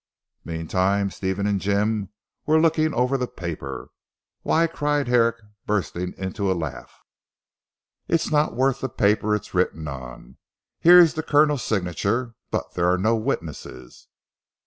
Meantime Stephen and Jim were looking over the paper. "Why," cried Herrick bursting into a laugh, "it's not worth the paper it's written on. Here is the Colonel's signature, but there are no witnesses."